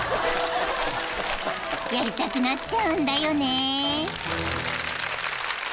［やりたくなっちゃうんだよね］